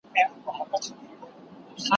يوه خبره د بلي خور ده.